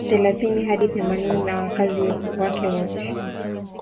Thelathini hadi themanini ya wakazi wake wote